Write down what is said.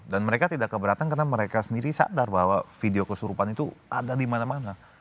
dan mereka tidak keberatan karena mereka sendiri sadar bahwa video kesurupan itu ada di mana mana